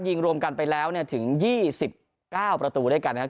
รวมกันไปแล้วถึง๒๙ประตูด้วยกันนะครับ